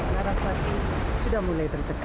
nara sati sudah mulai tertekan